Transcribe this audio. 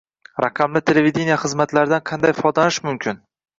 Raqamli televidenie xizmatlaridan qanday foydalanish mumkin?